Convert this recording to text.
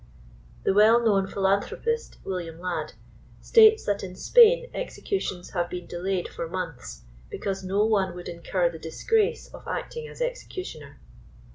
The well known philanthropist, Wm, Ladd, states that in Spain executions have been delayed for months, because no one would incur the disgrace of acting as executioner.